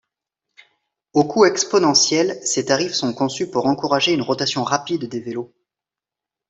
Au coût exponentiel, ces tarifs sont conçus pour encourager une rotation rapide des vélos.